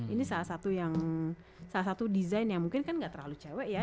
ini salah satu yang salah satu desain yang mungkin kan gak terlalu cewek ya